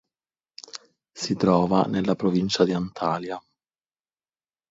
Si trova nella provincia di Antalya.